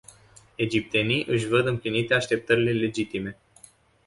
Egiptenii își văd împlinite așteptările legitime.